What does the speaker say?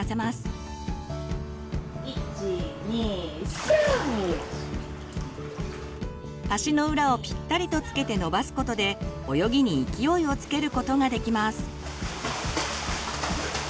子どもの足の裏をピッタリとつけて伸ばすことで泳ぎに勢いをつけることができます。